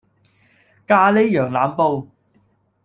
咖喱羊腩煲